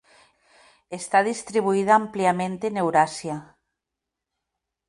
Está distribuida ampliamente en Eurasia.